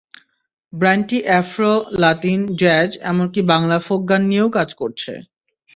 ব্যান্ডটি afro, Latin, jazz এমনকি Bangla folk গান নিয়েও কাজ করছে।